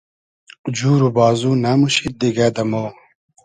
جور و بازو نئموشید دیگۂ دۂ مۉ